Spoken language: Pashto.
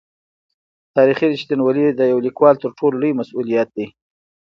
تاریخي رښتینولي د یو لیکوال تر ټولو لوی مسوولیت دی.